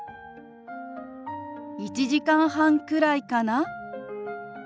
「１時間半くらいかな」。